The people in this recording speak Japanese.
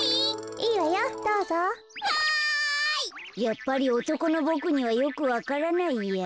やっぱりおとこのボクにはよくわからないや。